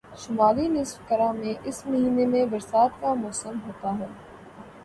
شمالی نصف کرہ میں اس مہینے میں برسات کا موسم ہوتا ہے